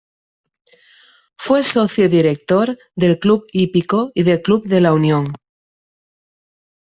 Fue socio y director del Club Hípico y del Club de La Unión.